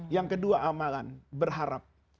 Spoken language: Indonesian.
yang kedua amalan berharap